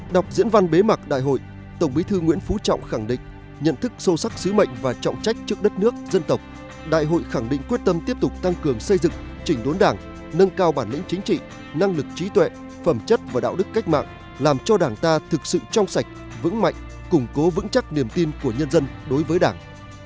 đọc diễn văn bế mạc đại hội tổng bí thư nguyễn phú trọng khẳng định nhận thức sâu sắc sứ mệnh và trọng trách trước đất nước dân tộc đại hội khẳng định quyết tâm tiếp tục tăng cường xây dựng chỉnh đốn đảng nâng cao bản lĩnh chính trị năng lực trí tuệ phẩm chất và đạo đức cách mạng làm cho đảng ta thực sự trong sạch vững mạnh củng cố vững chắc niềm tin của nhân dân đối với đảng